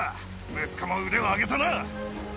息子も腕を上げたな！